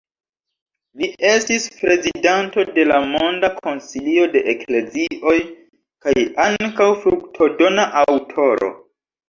Li estis prezidanto de la Monda Konsilio de Eklezioj kaj ankaŭ fruktodona aŭtoro.